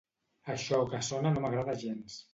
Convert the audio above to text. Això que sona no m'agrada gens.